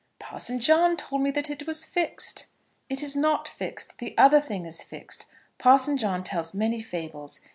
"Parson John told me that it was fixed." "It is not fixed. The other thing is fixed. Parson John tells many fables.